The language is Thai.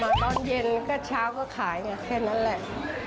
ตอนเย็นก็เช้าก็ขายไงแค่นั้นแหละ